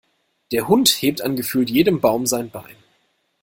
Der Hund hebt an gefühlt jedem Baum sein Bein.